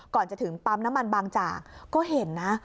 ก่อนจะถึงปั๊มน้ำมันบางจากก็เห็นนะ